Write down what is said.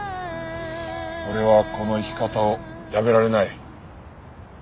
俺はこの生き方をやめられない。